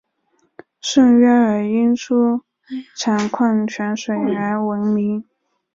圣约尔因出产矿泉水而闻名。